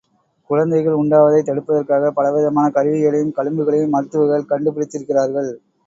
குழந்தைகள் உண்டாவதைத் தடுப்பதற்காகப் பலவிதமான கருவிகளையும் களிம்புகளையும் மருத்துவர்கள் கண்டுபிடித்திருக்கிறார்கள்.